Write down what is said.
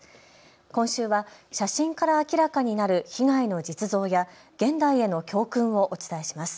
今週は写真から明らかになる被害の実像や現代への教訓をお伝えします。